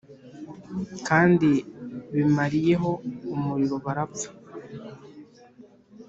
kandi bimariye ho umuriro barapfa